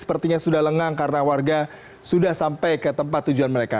sepertinya sudah lengang karena warga sudah sampai ke tempat tujuan mereka